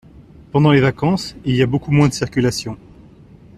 Pendant les vacances, il y a beaucoup moins de circulation.